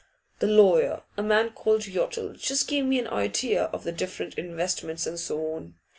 'The lawyer, a man called Yottle, just gave me an idea of the different investments and so on.